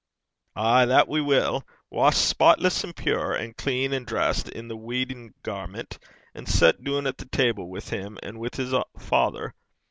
'Ay, that we will washed spotless, and pure, and clean, and dressed i' the weddin' garment, and set doon at the table wi' him and wi' his Father.